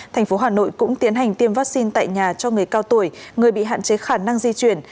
thành phố hà nội cũng tiến hành tiêm vaccine tại nhà cho người cao tuổi người bị hạn chế khả năng di chuyển